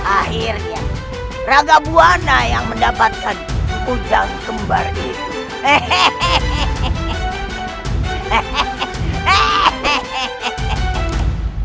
akhirnya ragabuana yang mendapatkan hujan kembar itu hehehe hehehe hehehe